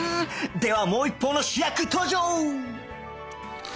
ではもう一方の主役登場！